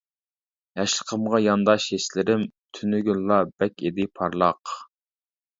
ياشلىقىمغا يانداش ھېسلىرىم، تۈنۈگۈنلا بەك ئىدى پارلاق.